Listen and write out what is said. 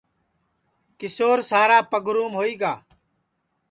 کیشور سارا پگھروم ہوئی گا